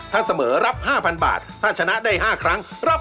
และนี่คือ๕แผ่นป้ายนะครับ